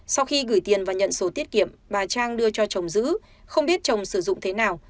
sau khi gửi tiền và nhận số tiết kiệm bà trang đưa cho chồng giữ không biết chồng sử dụng thế nào